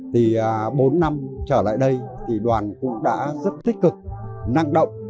thì bốn năm trở lại đây thì đoàn cũng đã rất tích cực năng động